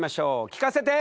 聞かせて！